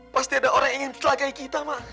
pasti ada orang ingin setelahgai kita mak